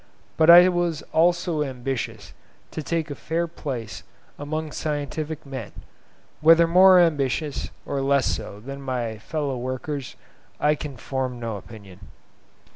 But I was also ambitious to take a fair place among scientific men,—whether more ambitious or less so than most of my fellow workers, I can form no opinion.